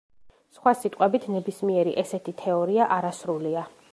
სხვა სიტყვებით ნებისმიერი ესეთი თეორია არასრულია.